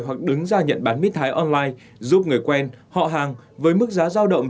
hoặc đứng ra nhận bán mít thái online giúp người quen họ hàng với mức giá giao động